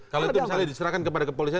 kalau itu misalnya diserahkan kepada kepolisian